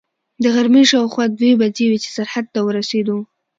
د غرمې شاوخوا دوې بجې وې چې سرحد ته ورسېدو.